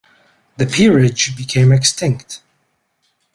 The peerage became extinct.